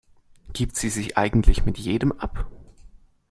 Gibt sie sich eigentlich mit jedem ab?